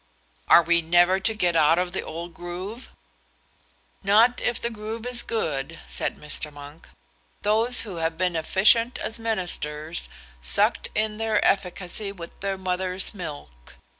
"Are we never to get out of the old groove?" "Not if the groove is good," said Mr. Monk, "Those who have been efficient as ministers sucked in their efficacy with their mother's milk.